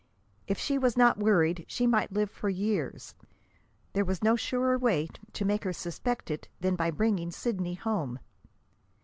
If she was not worried she might live for years. There was no surer way to make her suspect it than by bringing Sidney home.